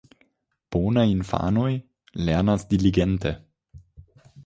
Bonaj infanoj lernas diligente.